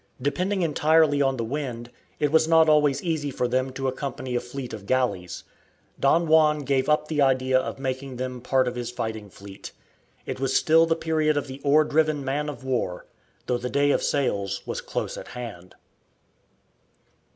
Depending entirely on the wind, it was not always easy for them to accompany a fleet of galleys. Don Juan gave up the idea of making them part of his fighting fleet. It was still the period of the oar driven man of war, though the day of sails was close at hand.